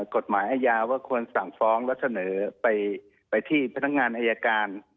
กฎหมายอาญาว่าควรสั่งฟ้องแล้วเสนอไปที่พนักงานอายการ